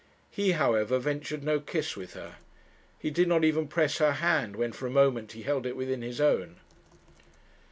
He, however, ventured no kiss with her. He did not even press her hand, when for a moment he held it within his own.